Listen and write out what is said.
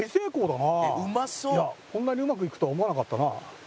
こんなにうまくいくとは思わなかったな。